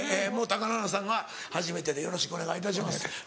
貴乃花さんは初めてでよろしくお願いいたします。